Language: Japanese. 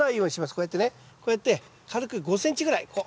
こうやってねこうやって軽く５ｃｍぐらいこう。